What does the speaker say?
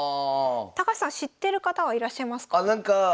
高橋さん知ってる方はいらっしゃいますか？